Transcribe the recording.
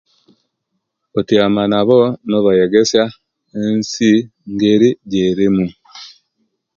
Otyaama nabo nobegesya ensii engeri ejjerimu.